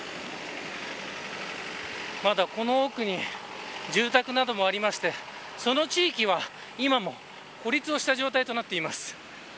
まだこの奥に住宅などもあってその地域は今も孤立をした状態となっています。